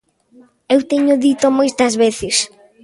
Eu téñoo dito moitas veces.